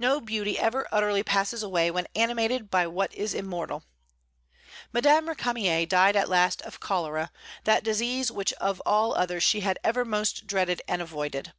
No beauty ever utterly passes away when animated by what is immortal. Madame Récamier died at last of cholera, that disease which of all others she had ever most dreaded and avoided.